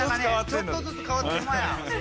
ちょっとずつ変わってんだぜ。